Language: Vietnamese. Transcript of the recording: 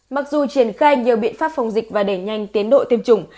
mặc dù triển khai nhiều biện pháp phòng dịch và đẩy nhanh tiến độ tiêm chủng